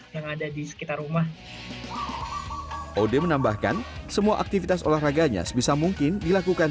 yang ada di sekitar rumah ode menambahkan semua aktivitas olahraganya sebisa mungkin dilakukan